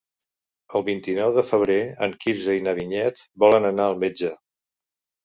El vint-i-nou de febrer en Quirze i na Vinyet volen anar al metge.